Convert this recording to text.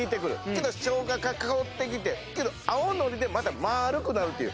けど生姜が香ってきてけど青のりでまた丸くなるっていう。